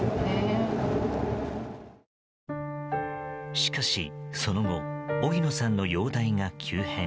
しかし、その後荻野さんの容体が急変。